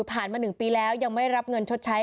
ผ่านมา๑ปีแล้วยังไม่รับเงินชดใช้